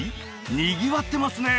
にぎわってますね